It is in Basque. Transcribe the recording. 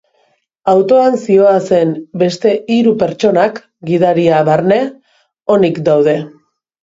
Autoan zihoazen beste hiru pertsonak, gidaria barne, onik daude.